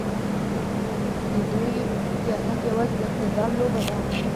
د دوی سیاست یوازې د اقتدار لوبه ده.